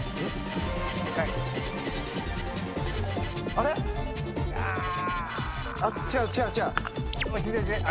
あれっ⁉違う違う違う。